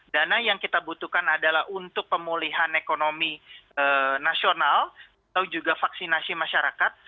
dana yang kita butuhkan adalah untuk pemulihan ekonomi nasional atau juga vaksinasi masyarakat